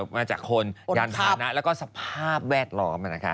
มาจากคนยานพานะแล้วก็สภาพแวดล้อม